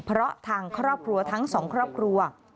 เพราะทางครอบครัวทั้งสองครอบครัว